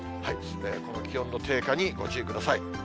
この気温の低下にご注意ください。